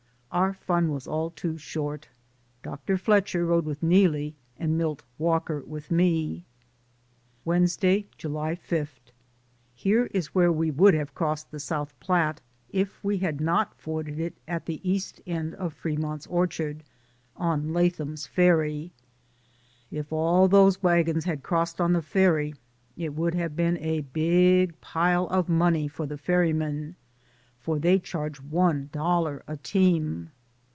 Our fun was all too short. Dr. Fletcher rode with Neelie, and Milt Walker with me. Wednesday, July 5. Here is where we would have crossed the South Platte — if we had not forded it at the east end of Fremont's Orchard — on Lathan's Ferry. If all those wagons had crossed on the ferry it would have been a big pile of money for the ferrymen, for they charge one dollar a team.